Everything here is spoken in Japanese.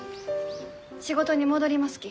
仕事に戻りますき。